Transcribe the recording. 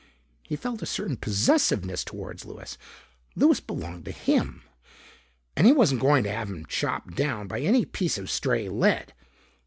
He felt a certain possessiveness toward Louis. Louis belonged to him. And he wasn't going to have him chopped down by any piece of stray lead.